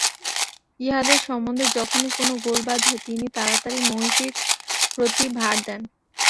ইহাদের সম্বন্ধে যখনি কোন গোল বাধে, তিনি তাড়াতাড়ি মহিষীর প্রতি ভার দেন।